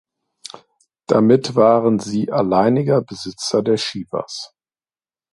Damit waren sie alleiniger Besitzer der Chivas.